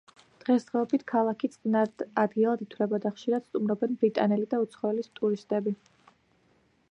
დღესდღეობით ქალაქი წყნარ ადგილად ითვლება და ხშირად სტუმრობენ ბრიტანელი და უცხოელი ტურისტები.